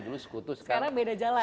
dulu sekutu sekarang beda jalan